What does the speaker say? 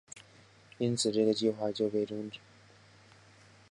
因此这个计划就被终止。